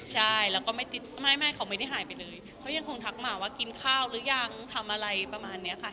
ใช่แล้วก็ไม่ติดไม่เขาไม่ได้หายไปเลยเขายังคงทักมาว่ากินข้าวหรือยังทำอะไรประมาณนี้ค่ะ